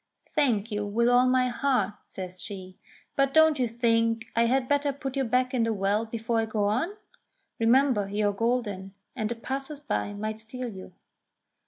"Thank you with all my heart," says she; "but don't you think I had better put you back in the well before I go on ? Remember you are golden, and the passers by might steal you."